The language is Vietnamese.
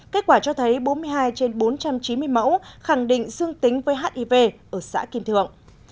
kết quả cho thấy bốn mươi hai trên bốn trăm chín mươi mẫu khẳng định dương tính với hiv ở xã kim thượng